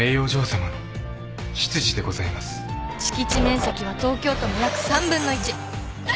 敷地面積は東京都の約３分の１。